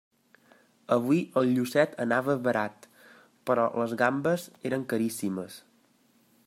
Avui el llucet anava barat, però les gambes eren caríssimes.